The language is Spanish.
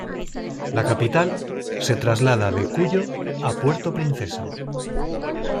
La capital se traslada de Cuyo a Puerto Princesa.